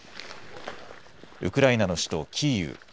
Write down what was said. ウクライナの首都キーウ。